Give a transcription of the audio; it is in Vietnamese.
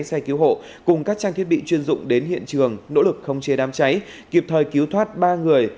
xe cứu hộ cùng các trang thiết bị chuyên dụng đến hiện trường nỗ lực không chế đám cháy kịp thời cứu thoát ba người